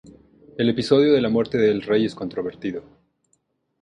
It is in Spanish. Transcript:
El episodio de la muerte del rey es controvertido.